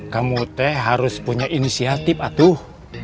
kamu teh harus punya inisiatif atuh